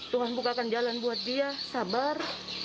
tuhan bukakan jalan buat dia sabar